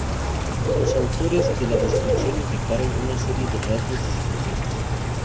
Los autores de la descripción indicaron una serie de rasgos distintivos.